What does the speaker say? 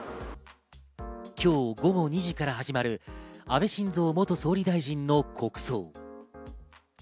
今日午後２時から始まる安倍晋三元総理大臣の国葬。